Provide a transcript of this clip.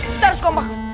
kita harus kompak